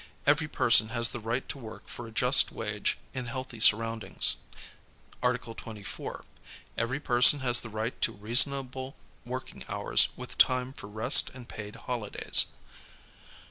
Every person has the right to work for a just wage in healthy surroundings. Article 24. Every person has the right to reasonable working hours with time for rest and paid holidays.